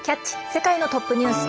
世界のトップニュース」。